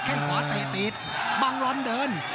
เข้มขวาเตะตีดบังร้อนเดิน